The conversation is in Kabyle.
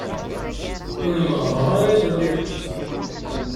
Ur merrɣeɣ ara iḍelli.